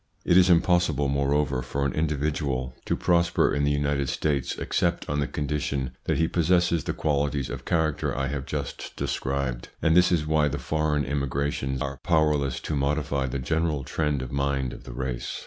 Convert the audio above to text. It is impossible, moreover, for an individual to u 146 THE PSYCHOLOGY OF PEOPLES : prosper in the United States except on the condition that he possesses the qualities of character I have just described, and this is why the foreign immigrations are powerless to modify the general trend of mind of the race.